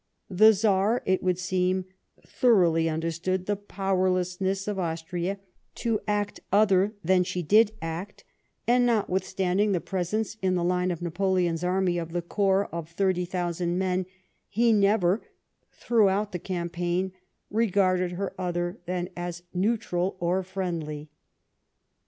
The Czar, it would seem, thoroughly understood the powerlessness of Austria to act other than she did act, and, notwith 76 LIFE OF FBINCE METTEENICIL standing the presence in the line of Napoleon's army of the corps of 30,000 men, he never, throughout the campaign, regarded her other than as neutral or friendly.